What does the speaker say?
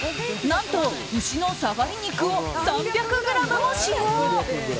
何と、牛のサガリ肉を３００ｇも使用。